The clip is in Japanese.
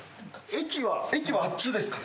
駅はあっちですかね。